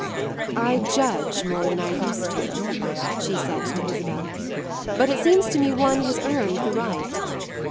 "I judge more than I used to," she said to Isabel, "but it seems to me one has earned the right.